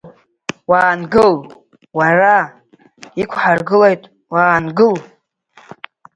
Уаангыл, уара, иқәҳаргылеит, уаангыл!